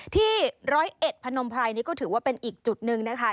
ที่ร้อยเอ็ดพนมไพรนี่ก็ถือว่าเป็นอีกจุดหนึ่งนะคะ